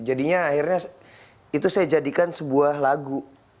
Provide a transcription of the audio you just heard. jadinya akhirnya itu saya jadikan sebuah lagu